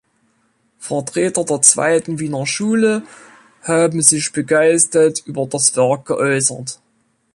Vertreter der Zweiten Wiener Schule haben sich begeistert über das Werk geäußert.